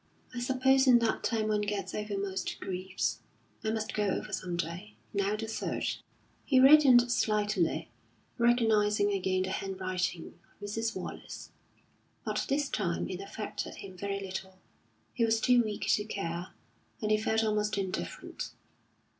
"I suppose in that time one gets over most griefs. I must go over some day. Now the third." He reddened slightly, recognising again the handwriting of Mrs. Wallace. But this time it affected him very little; he was too weak to care, and he felt almost indifferent.